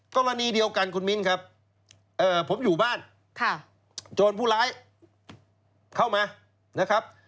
กรณีเดียวกันคุณมิ้นครับผมอยู่บ้านโจรผู้ร้ายเข้ามานะครับ